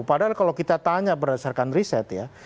padahal kalau kita tanya berdasarkan riset ya